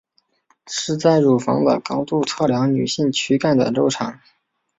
是在乳房的高度测量女性躯干的周长。